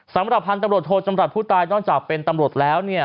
สำหรับพันธุ์ตำรวจโทจำรัฐผู้ตายนอกจากเป็นตำรวจแล้วเนี่ย